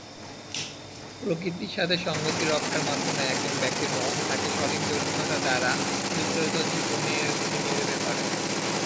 প্রকৃতির সাথে সঙ্গতি রক্ষার মাধ্যমে একজন ব্যক্তির মন তাকে সঠিক যৌক্তিকতা দ্বারা পরিচালিত জীবনের দিকে নিয়ে যেতে পারে।